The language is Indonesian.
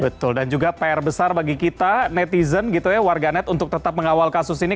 betul dan juga pr besar bagi kita netizen warganet untuk tetap mengawal kasus ini